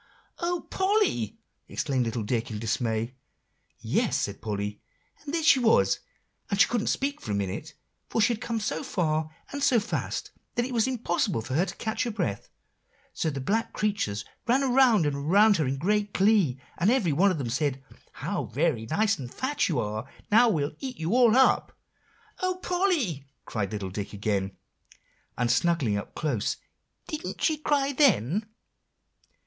"O Polly!" exclaimed little Dick in dismay. "Yes," said Polly; "and there she was, and she couldn't speak for a minute, for she had come so far and so fast, that it was impossible for her to catch her breath, so the black creatures ran around and around her in great glee, and every one of them said: 'How very nice and fat you are; now we'll eat you up.'" "O Polly!" cried little Dick again, and snuggling up closer; "didn't she cry then."